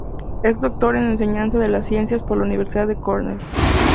Es doctor en enseñanza de las ciencias por la Universidad de Cornell.